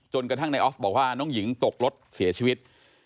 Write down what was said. กระทั่งในออฟบอกว่าน้องหญิงตกรถเสียชีวิต